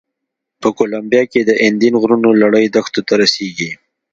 په کولمبیا کې د اندین غرونو لړۍ دښتو ته رسېږي.